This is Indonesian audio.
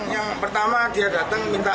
yang pertama dia datang minta